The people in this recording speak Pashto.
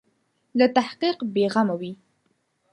له تحقیق بې غمه وي.